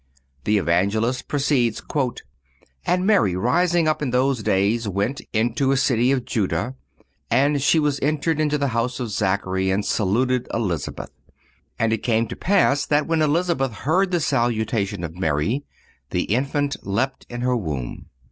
The Evangelist proceeds: "And Mary, rising up in those days, went ... into a city of Juda; and she entered into the house of Zachary and saluted Elizabeth. And it came to pass that when Elizabeth heard the salutation of Mary the infant leapt in her womb.